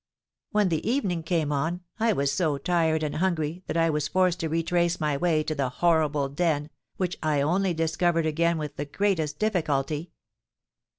When the evening came on, I was so tired and hungry that I was forced to retrace my way to the horrible den, which I only discovered again with the greatest difficulty.